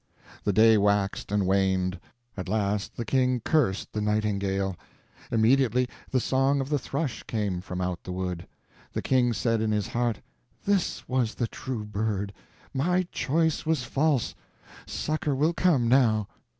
The day waxed and waned. At last the king cursed the nightingale. Immediately the song of the thrush came from out the wood. The king said in his heart, "This was the true bird my choice was false succor will come now."